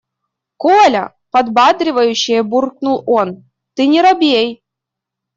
– Коля, – подбадривающе буркнул он, – ты не робей.